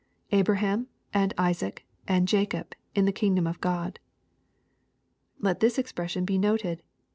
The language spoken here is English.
[Ahrah^mj and Isaac^ and Jacob.. .in the kingdom of God^ Let this expression be noted.